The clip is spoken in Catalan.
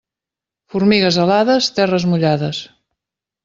Formigues alades, terres mullades.